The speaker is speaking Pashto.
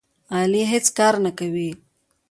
علي هېڅ کار نه کوي.